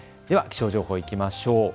では気象情報いきましょう。